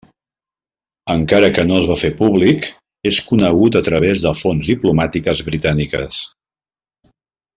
Encara que no es va fer públic, és conegut a través de fonts diplomàtiques britàniques.